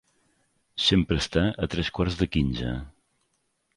Sempre està a tres quarts de quinze.